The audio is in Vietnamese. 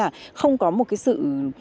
đấy là không có một cái sự